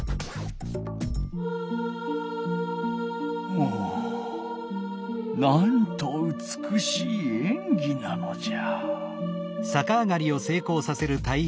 おおなんとうつくしいえんぎなのじゃ。